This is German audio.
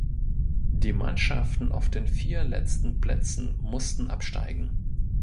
Die Mannschaften auf den vier letzten Plätzen mussten absteigen.